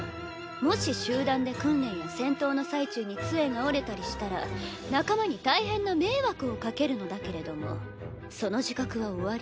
もし集団で訓練や戦闘の最中に杖が折れたりしたら仲間に大変な迷惑をかけるのだけれどもその自覚はおあり？